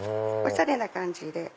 おしゃれな感じで。